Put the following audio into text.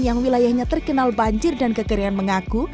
yang wilayahnya terkenal banjir dan kekerian mengaku